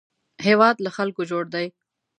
هېواد له خلکو جوړ دی